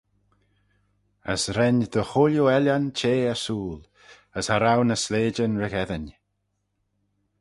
As ren dy chooilley ellan chea ersooyl, as cha row ny sleityn ry-gheddyn.